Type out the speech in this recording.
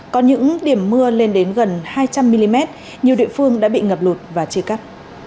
có những điểm mưa lên đến gần hai trăm linh mm nhiều địa phương đã bị ngập lụt và chia cắt